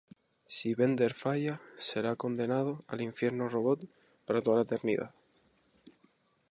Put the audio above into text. Si Bender falla, será condenado al infierno robot para toda la eternidad.